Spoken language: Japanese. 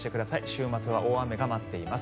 週末は大雨が待っています。